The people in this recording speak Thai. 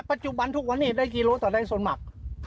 ปัจจุบันทุกวันนี้ได้กิโลกรัมต่อได้สมบัติ